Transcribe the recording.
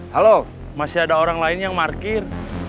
halo masih ada orang lain yang parkir